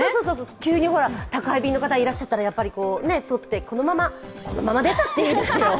急に宅配便の方がいらっしゃったらこのままこのまま出たっていいですよ。